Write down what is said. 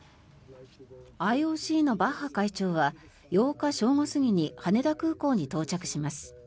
ＩＯＣのバッハ会長は８日正午過ぎに羽田空港に到着します。